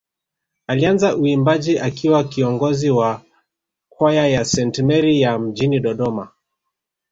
Alianza uimbaji akiwa kiongozi wa kwaya ya Saint Mary ya mjini Dodoma